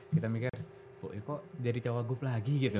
kok jadi cowok gup lagi gitu